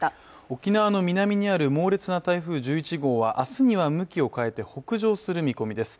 沖縄の南にある猛烈な台風１１号は明日には向きを変えて北上する見込みです。